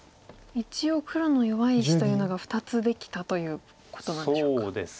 一応黒の弱い石というのが２つできたということなんでしょうか。